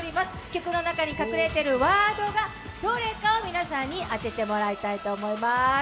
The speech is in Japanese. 曲の中に隠れているワードがどれかを皆さんに当てていただきたいと思います。